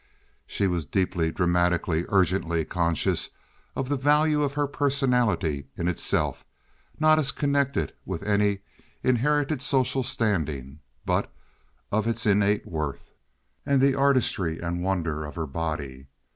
She was deeply, dramatically, urgently conscious of the value of her personality in itself, not as connected with any inherited social standing, but of its innate worth, and of the artistry and wonder of her body.